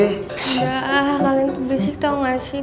engga kalian tuh berisik tau ga sih